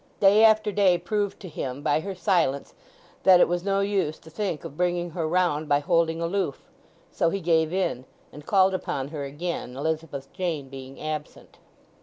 Day after day proved to him, by her silence, that it was no use to think of bringing her round by holding aloof; so he gave in, and called upon her again, Elizabeth Jane being absent.